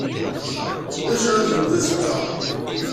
D acu ara tgemt azekka?